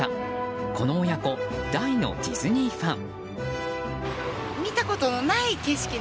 この親子、大のディズニーファン。